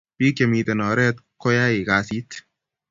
Pik che miten oret ko yai kasit